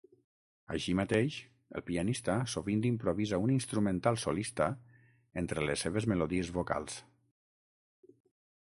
Així mateix, el pianista sovint improvisa un instrumental solista entre les seves melodies vocals.